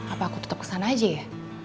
apa aku tetap kesana aja ya